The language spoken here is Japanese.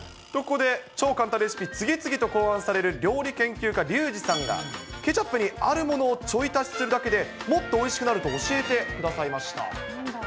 ここで超簡単レシピを次々と考案される料理研究家、リュウジさんがケチャップにあるものをちょい足しするだけで、もっとおいしくなると教えてくださいました。